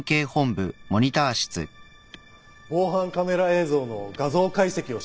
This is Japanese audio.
防犯カメラ映像の画像解析をしました。